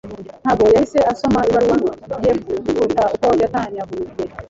Ntabwo yahise asoma ibaruwa ye kuruta uko yatanyaguye.